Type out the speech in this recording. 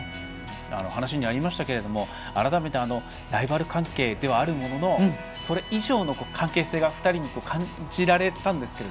話にありましたが改めてライバル関係ではあるもののそれ以上の関係性が２人に感じられました。